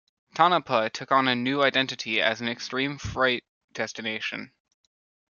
Tonopah took on a new identity as an extreme freight destination.